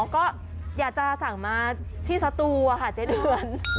ก็อยากจะสั่งมาที่สตูค่ะเจ๊เดือน